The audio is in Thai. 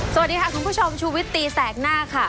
สวัสดีค่ะคุณผู้ชมชูวิตตีแสกหน้าค่ะ